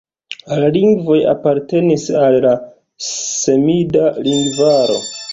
La lingvoj apartenis al la semida lingvaro.